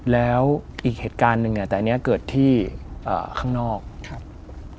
แล้วอีกเหตุการณ์หนึ่งเนี่ยแต่อันนี้เกิดที่ข้างนอกครับ